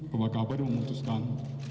bapak kapolri memutuskan